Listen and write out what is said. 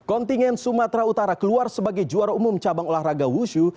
kontingen sumatera utara keluar sebagai juara umum cabang olahraga wushu